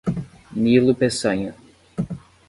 Nilo Peçanha